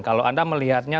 kalau anda melihatnya